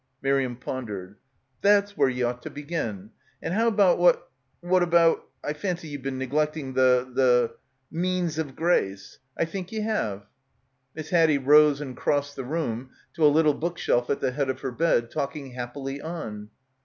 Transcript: Miriam pondered. "That's where ye ought to begin. And how about — what — what about — I fancy ye've been neglecting the — the means of grace. ... I think PILGRIMAGE ye have." Miss Haddie rose and crossed the room to a little bookshelf at the head of her bed, talking happily on.